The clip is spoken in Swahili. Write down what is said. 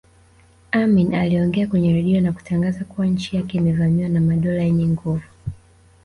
Amin aliongea kwenye redio na kutangaza kuwa nchi yake imevamiwa na madola yenye nguvu